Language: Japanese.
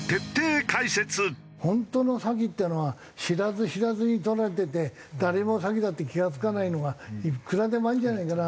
本当の詐欺っていうのは知らず知らずに取られてて誰も詐欺だって気が付かないのがいくらでもあるんじゃねえかな。